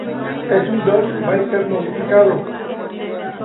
Es un Dodge Viper modificado.